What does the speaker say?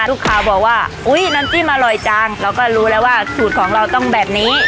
ลูกค้าบอกว่าอุ๊ยน้ำจิ้มอร่อยจังเราก็รู้แล้วว่าสูตรของเราต้องแบบนี้